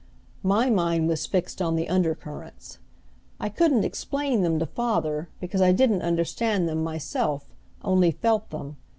My mind was fixed on the under currents. I couldn't explain them to father because I didn't understand them myself, only felt them.